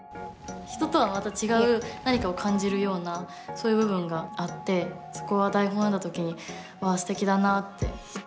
人とはまた違う何かを感じるようなそういう部分があってそこは台本を読んだ時にわあすてきだなって。